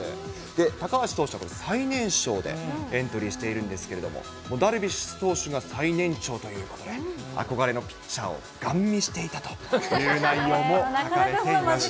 高橋投手は最年少でエントリーしているんですけれども、ダルビッシュ投手が最年長ということで、憧れのピッチャーをガン見していたという内容も書かれていました。